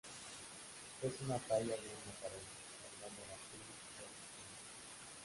Es una talla de un nazareno cargando la cruz sobre su hombro.